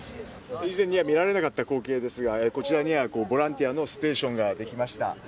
以前には見られなかった光景ですがこちらにはボランティアのステーションができました。